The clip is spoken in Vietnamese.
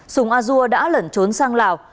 sùng a dua đã lẩn trốn sang lào